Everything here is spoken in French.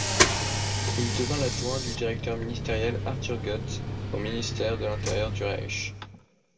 Il devient l'adjoint du directeur ministériel Arthur Gütt au ministère de l'Intérieur du Reich.